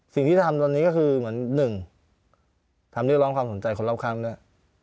สิ่งที่ทำตอนนี้ก็คือเหมือนหนึ่งทำเรียกร้องความสนใจคนรอบข้างด้วย